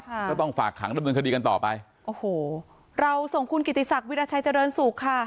ก็ต้องฝากขังดำเนินคดีกันต่อไปโอ้โหเราส่งคุณกิติศักดิราชัยเจริญสุขค่ะ